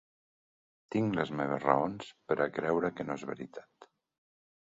Tinc les meves raons per a creure que no és veritat.